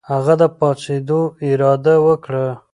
هغه د پاڅېدو اراده وکړه.